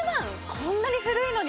こんなに古いのに？